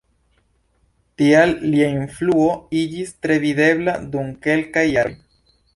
Tial lia influo iĝis tre videbla dum kelkaj jaroj.